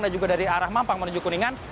dan juga dari arah mampang menuju kuningan